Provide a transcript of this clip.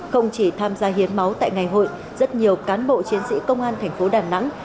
không chỉ tham gia hiến máu tại ngày hội rất nhiều cán bộ chiến sĩ công an thành phố đà nẵng